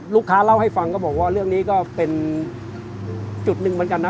เล่าให้ฟังก็บอกว่าเรื่องนี้ก็เป็นจุดหนึ่งเหมือนกันนะ